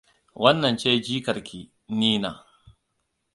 Wannan ce jikar ki, Nina.